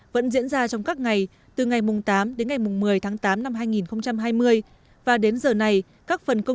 vẫn diễn ra trong các ngày từ ngày tám đến ngày một mươi tháng tám năm hai nghìn hai mươi và đến giờ này các phần công